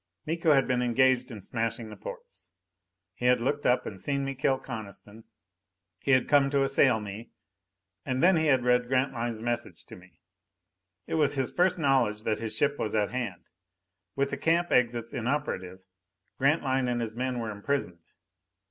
Miko had been engaged in smashing the ports. He had looked up and seen me kill Coniston. He had come to assail me. And then he had read Grantline's message to me. It was his first knowledge that his ship was at hand. With the camp exits inoperative, Grantline and his men were imprisoned.